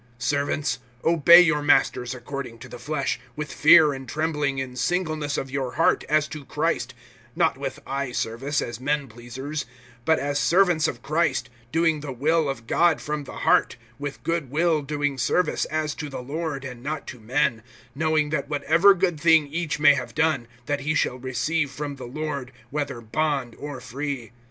(5)Servants, obey your masters according to the flesh, with fear and trembling, in singleness of your heart, as to Christ; (6)not with eye service, as men pleasers; but as servants of Christ, doing the will of God from the heart; (7)with good will doing service, as to the Lord, and not to men; (8)knowing that whatever good thing each may have done, that shall he receive from the Lord, whether bond or free.